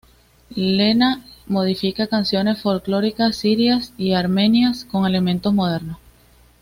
Lena modifica canciones folclóricas sirias y armenias con elementos modernos.